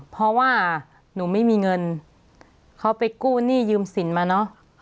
เพราะว่าหนูไม่มีเงินเขาไปกู้หนี้ยืมสินมาเนอะ